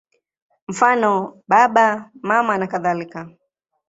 Mfano: Baba, Mama nakadhalika.